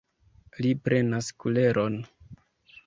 Li prenas kuleron.